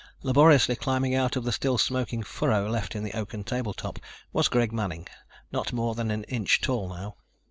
Laboriously climbing out of the still smoking furrow left in the oaken table top was Greg Manning, not more than an inch tall now.